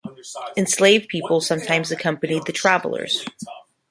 Enslaved people sometimes accompanied the travelers.